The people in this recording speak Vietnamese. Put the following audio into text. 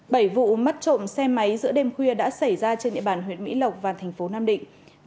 bảy vụ mất trộm xe máy giữa đêm khuya đã xảy ra trên địa bàn huyện mỹ lộc và thành phố nam định